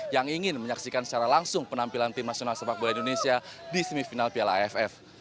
yang ingin menyaksikan secara langsung penampilan tim nasional sepak bola indonesia di semifinal piala aff